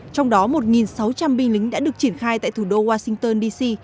trong đó một sáu trăm linh binh lính đã được triển khai tại thủ đô washington d c